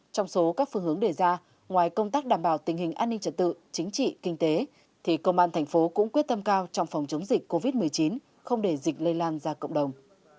trong số các phương hướng đề ra ngoài công tác đảm bảo tình hình an ninh trật tự chính trị kinh tế thì công an thành phố cũng quyết tâm cao trong phòng chống dịch covid một mươi chín không để dịch lây lan ra cộng đồng